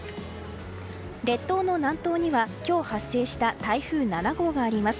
列島の南東には今日発生した台風７号があります。